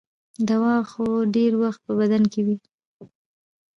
دوا خو ډېر وخت په بدن کې وي.